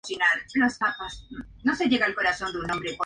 La temperatura de la ciudad varía de norte a sur según la altitud.